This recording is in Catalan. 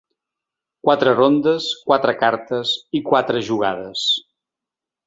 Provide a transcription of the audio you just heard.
Quatre rondes, quatre cartes i quatre jugades.